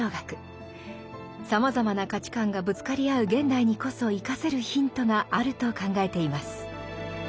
さまざまな価値観がぶつかり合う現代にこそ生かせるヒントがあると考えています。